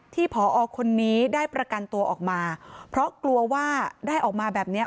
ผอคนนี้ได้ประกันตัวออกมาเพราะกลัวว่าได้ออกมาแบบเนี้ย